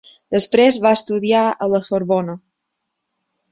Després va estudiar a la Sorbona.